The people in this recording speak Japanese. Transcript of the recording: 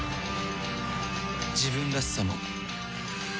自分らしさも